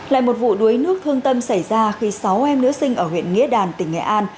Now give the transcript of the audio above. lại một vụ đuối nước thương tâm xảy ra khi sáu em nữ sinh ở huyện nghĩa đàn tỉnh nghệ an